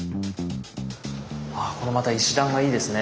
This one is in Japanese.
あっこのまた石段がいいですね